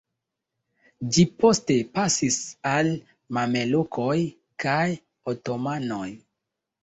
Ĝi poste pasis al mamelukoj kaj otomanoj.